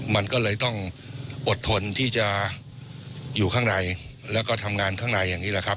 มันก็เลยต้องอดทนที่จะอยู่ข้างในแล้วก็ทำงานข้างในอย่างนี้แหละครับ